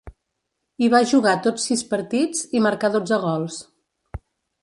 Hi va jugar tots sis partits, i marcà dotze gols.